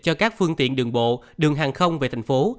cho các phương tiện đường bộ đường hàng không về thành phố